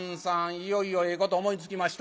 いよいよええこと思いつきました」。